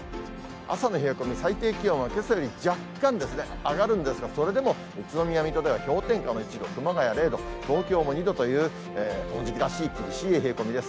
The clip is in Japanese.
朝の冷え込み、最低気温はけさより若干ですね、上がるんですが、それでも宇都宮、水戸では氷点下の１度、熊谷０度、東京も２度というこの時期らしい、厳しい冷え込みです。